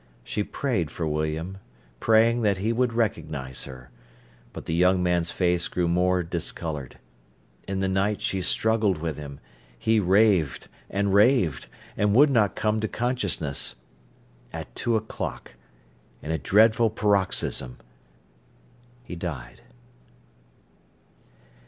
She prayed for William, prayed that he would recognise her. But the young man's face grew more discoloured. In the night she struggled with him. He raved, and raved, and would not come to consciousness. At two o'clock, in a dreadful paroxysm, he died.